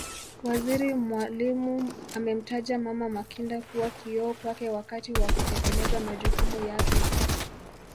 Waziri Mwalimu amemtaja Mama Makinda kuwa kioo kwake wakati wa kutekeleza majukumu yake